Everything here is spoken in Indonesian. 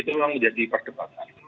itu memang menjadi perdebatan